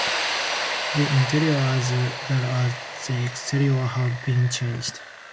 The interior as well as the exterior have been changed.